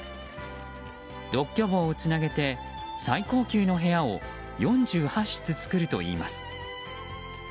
独居房をつなげて最高級の部屋を４８室作るといいます。